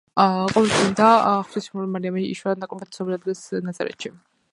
ყოვლადწმინდა ღვთისმშობელი მარიამი იშვა ნაკლებად ცნობილ ადგილას, ნაზარეთში.